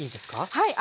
はい。